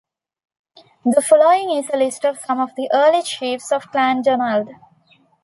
The following is a list of some of the early chiefs of Clan Donald.